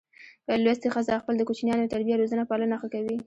لوستي ښځه خپل د کوچینیانو تربیه روزنه پالنه ښه کوي.